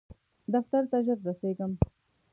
دفتر ته ژر رسیږم